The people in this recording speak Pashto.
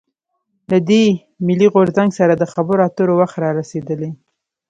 له دې «ملي غورځنګ» سره د خبرواترو وخت رارسېدلی.